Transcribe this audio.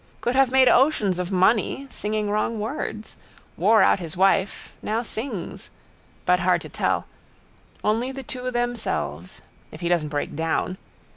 Could have made oceans of money. Singing wrong words. Wore out his wife: now sings. But hard to tell. Only the two themselves. If he doesn't break down.